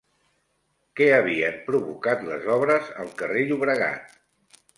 Què havien provocat les obres al carrer Llobregat?